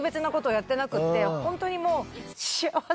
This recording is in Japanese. ホントにもう。